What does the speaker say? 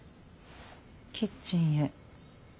キッチンへ。